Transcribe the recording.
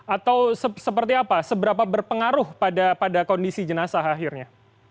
atau seperti apa seberapa berpengaruh pada kondisi jenazah akhirnya